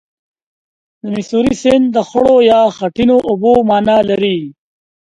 د میسوری سیند د خړو یا خټینو اوبو معنا لري.